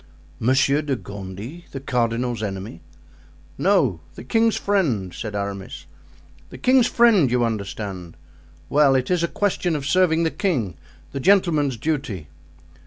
"Monsieur de Gondy! the cardinal's enemy?" "No; the king's friend," said Aramis; "the king's friend, you understand. Well, it is a question of serving the king, the gentleman's duty."